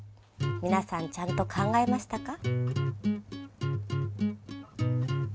皆さんちゃんと考えましたか？